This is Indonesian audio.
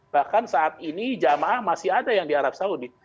bahkan saat ini jamaah masih ada yang di arab saudi